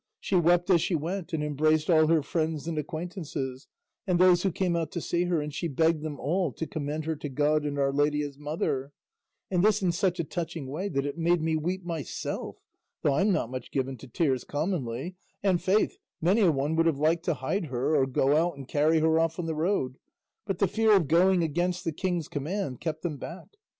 She wept as she went, and embraced all her friends and acquaintances and those who came out to see her, and she begged them all to commend her to God and Our Lady his mother, and this in such a touching way that it made me weep myself, though I'm not much given to tears commonly; and, faith, many a one would have liked to hide her, or go out and carry her off on the road; but the fear of going against the king's command kept them back.